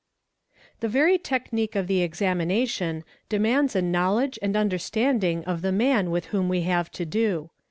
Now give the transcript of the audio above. Z The very technique of the examination demands a knowledge and % understanding of the man with whom we have to do.